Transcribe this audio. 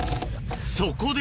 そこで